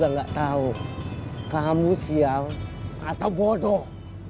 saya juga gak tau kamu sial atau bodoh